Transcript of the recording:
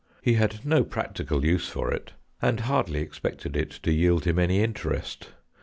He had no practical use for it, and hardly expected it to yield him any interest.